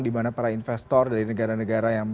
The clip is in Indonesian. di mana para investor dari negara negara yang